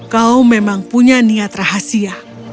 kau memang punya niat rahasia